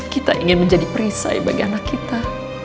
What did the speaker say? kita ingin menjadi perisai bagi anak kita